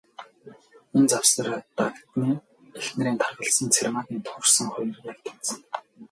Энэ завсар, Дагданы эхнэрийн таргалсан, Цэрмаагийн турсан хоёр яг тэнцэнэ.